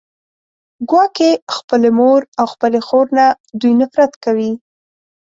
ګواکې خپلې مور او خپلې خور نه دوی نفرت کوي